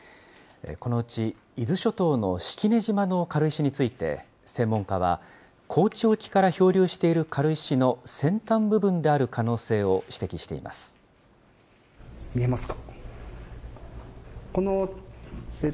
このうち伊豆諸島の式根島の軽石について、専門家は、高知沖から漂流している軽石の先端部分である可能性を指摘してい見えますか。